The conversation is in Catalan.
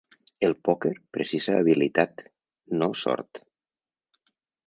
El pòquer precisa habilitat, no sort.